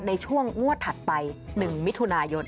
ในช่วงงวดถัดไป๑มิถุนายน